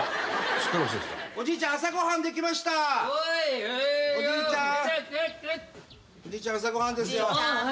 おじいちゃん朝ご飯ですよ。